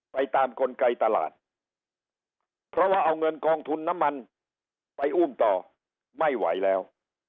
ไปตามกลไกตลาดเพราะว่าเอาเงินกองทุนน้ำมันไปอุ้มต่อไม่ไหวแล้ว